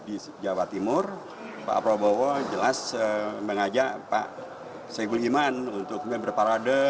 di jawa timur pak prabowo jelas mengajak pak soebul iman untuk kemudian berparade